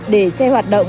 để xe hoạt động